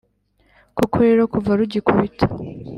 koko rero, kuva rugikubita